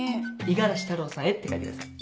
「五十嵐太郎さんへ」って書いてください。